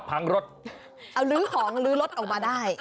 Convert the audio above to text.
พังรถเอาลื้อของลื้อรถออกมาได้